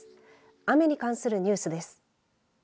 雨に関するニュースです。